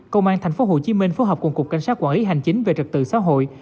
công an tp hcm phối hợp cùng cục cảnh sát quản lý hành chính về trật tự xã hội